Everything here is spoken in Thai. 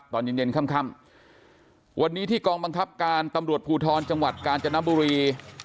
ตอนเย็นเย็นค่ำวันนี้ที่กองบังคับการตำรวจภูทรจังหวัดกาญจนบุรี